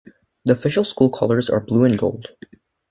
The official school colors are blue and gold.